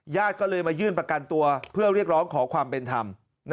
ญาติก็เลยมายื่นประกันตัวเพื่อเรียกร้องขอความเป็นธรรม